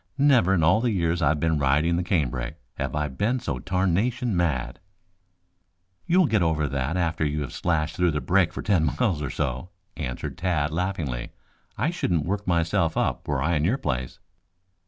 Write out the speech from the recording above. Never in all the years I have been riding the canebrake have I been so tarnation mad." "You will get over that after you have slashed through the brake for ten miles or so," answered Tad laughingly. "I shouldn't work myself up were I in your place."